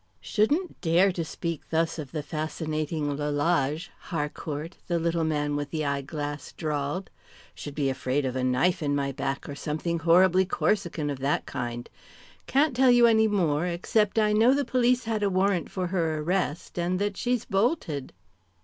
"Shouldn't dare to speak thus of the fascinating Lalage," Harcourt, the little man with the eyeglass, drawled. "Should be afraid of a knife in my back, or something horribly Corsican of that kind. Can't tell you any more except I know the police had a warrant for her arrest, and that she's bolted."